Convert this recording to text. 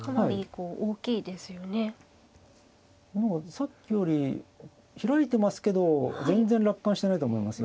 さっきより開いてますけど全然楽観してないと思いますよ。